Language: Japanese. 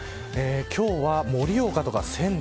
今日は、盛岡とか仙台